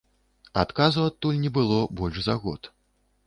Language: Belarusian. Адказу адтуль не было больш за год.